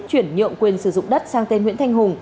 chuyển nhượng quyền sử dụng đất sang tên nguyễn thanh hùng